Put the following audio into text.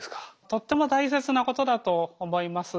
とっても大切なことだと思います。